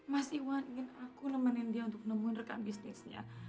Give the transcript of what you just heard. mas iwan ingin aku nemenin dia untuk nemuin rekan bisnisnya